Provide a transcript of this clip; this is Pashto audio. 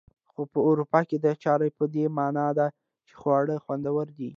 خو په اروپا کې دا چاره په دې مانا ده چې خواړه خوندور دي.